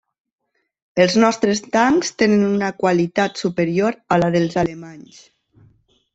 Els nostres tancs tenen una qualitat superior a la dels alemanys.